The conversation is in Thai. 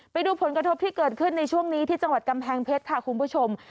ไปดูผลกระทบที่เกิดขึ้นในช่วงนี้ที่จังหวัดกำแพงเพชรค่ะคุณผู้ชม